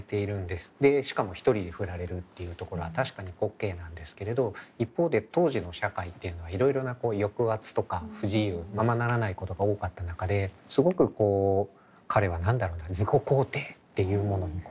でしかも一人で振られるっていうところは確かに滑稽なんですけれど一方で当時の社会っていうのはいろいろな抑圧とか不自由ままならないことが多かった中ですごくこう彼は何だろうな自己肯定っていうものにこだわった。